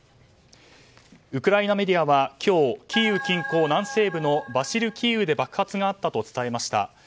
ウクライナメディアは今日キーウ近郊南西部のバシルキーウで爆発があったと伝えました。